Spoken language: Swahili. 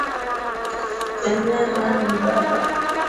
Tembea nami baba.